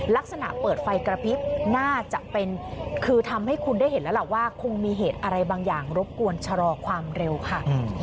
ลักษณะเปิดไฟกระพริบน่าจะเป็นคือทำให้คุณได้เห็นแล้วล่ะว่าคงมีเหตุอะไรบางอย่างรบกวนชะลอความเร็วค่ะ